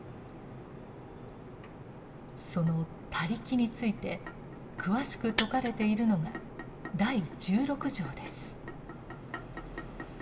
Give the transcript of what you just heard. その「他力」について詳しく説かれているのが第十六条です。